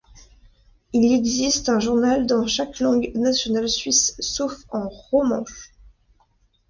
Il existe un journal dans chaque langue nationale suisse sauf en romanche.